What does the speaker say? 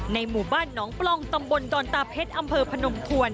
หมู่บ้านหนองปล้องตำบลดอนตาเพชรอำเภอพนมทวน